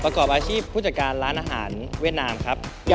พี่ตากแดกเลย